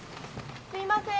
すいません。